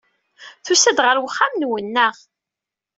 Tusa-d ɣer uxxam-nwen, naɣ?